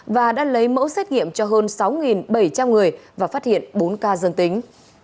và đã lấy mẫu xét nghiệm cho hơn sáu bảy trăm linh người và phát hiện bốn ca dương tính